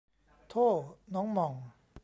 โถ้น้องหม่อง